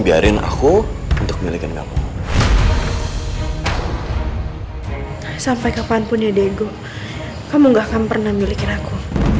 nyariin aku untuk miliknya sampai kapanpun ya dego kamu nggak akan pernah milikin aku